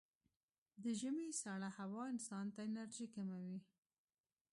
د ژمي سړه هوا انسان ته انرژي کموي.